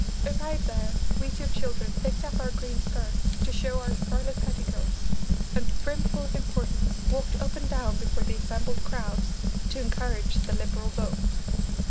Arrived there, we two children picked up our green skirts to show our scarlet petticoats, and brimful of importance, walked up and down before the assembled crowds to encourage the Liberal vote.